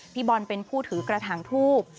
พี่บอลเป็นผู้ถือกระถางทูบ